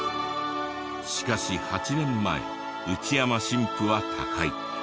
しかし８年前内山神父は他界。